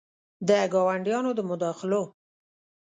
د ګاونډیانو د مداخلو